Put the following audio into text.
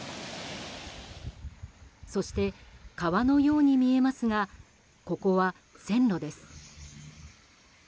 そして、川のように見えますがここは線路です。